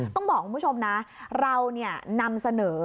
ต้องบอกคุณผู้ชมนะเรานำเสนอ